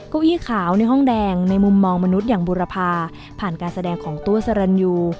เก้าอี้ขาวในห้องแดงในมุมมองมนุษย์อย่างบุรพาผ่านการแสดงของตัวสรรยู